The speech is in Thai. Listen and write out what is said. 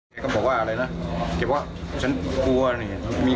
แกก็บอกว่าอะไรนะแกบอกว่าฉันกลัวนี่